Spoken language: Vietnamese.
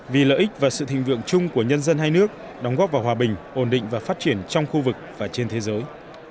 vì lợi ích và sự thịnh vượng chung của nhân dân hai nước đóng góp vào hòa bình ổn định và phát triển trong khu vực và trên thế giới